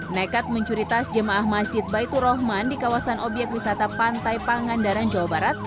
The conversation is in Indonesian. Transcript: nekat mencuritas jemaah masjid baikurohman di kawasan obyek wisata pantai pangandaran jawa barat